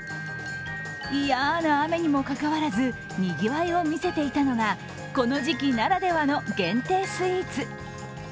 嫌な雨にもかかわらず、にぎわいを見せていたのがこの時期ならではの限定スイーツ。